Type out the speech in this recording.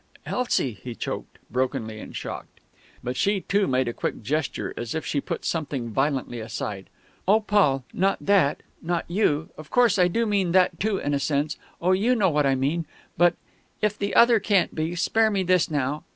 "Elsie!" he choked, brokenly and shocked. But she too made a quick gesture, as if she put something violently aside. "Oh, Paul, not that not you of course I do mean that too in a sense oh, you know what I mean!... But if the other can't be, spare me this now!